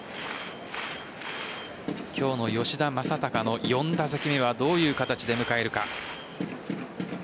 今日の吉田正尚の４打席目はどういう形で迎えるか。